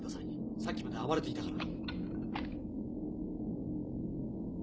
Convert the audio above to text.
さっきまで暴れていたから